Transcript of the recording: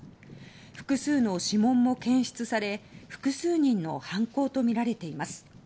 複数の指紋も検出され複数人の犯行とみられています。